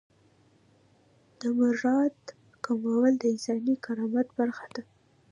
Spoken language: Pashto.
د مرارت کمول د انساني کرامت برخه ده.